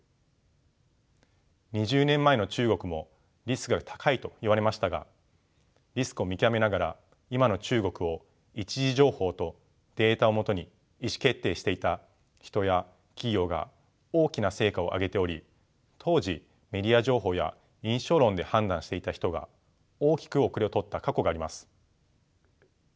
２０年前の中国もリスクが高いと言われましたがリスクを見極めながら今の中国を一次情報とデータを基に意思決定していた人や企業が大きな成果を上げており当時メディア情報や印象論で判断していた人が大きく後れを取った過去があります。